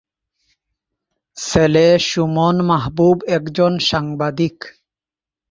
ছেলে সুমন মাহবুব একজন সাংবাদিক।